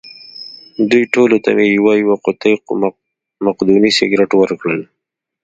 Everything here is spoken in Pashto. دوی ټولو ته مې یوه یوه قوطۍ مقدوني سګرېټ ورکړل.